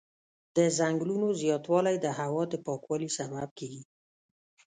د ځنګلونو زیاتوالی د هوا د پاکوالي سبب کېږي.